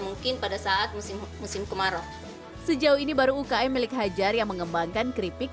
mungkin pada saat musim musim kemarau sejauh ini baru ukm milik hajar yang mengembangkan keripik